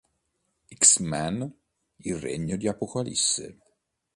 X-Men: Il regno di Apocalisse